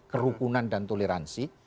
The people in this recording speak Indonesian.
kerukunan dan toleransi